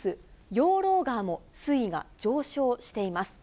養老川も、水位が上昇しています。